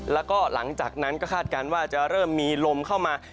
แล้วก็หลังจากนั้นก็คาดการณ์ว่าจะเริ่มมีลมเข้ามา